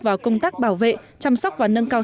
vào công tác bảo vệ chăm sóc và nâng cao